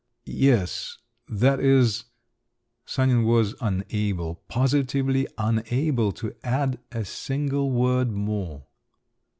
"Yes … that is …" Sanin was unable, positively unable to add a single word more.